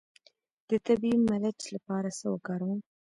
د طبیعي ملچ لپاره څه وکاروم؟